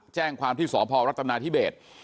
แจ้งความที่สอบพอบรรทนาที่เบส